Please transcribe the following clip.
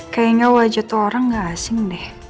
kayaknya wajah tuh orang gak asing deh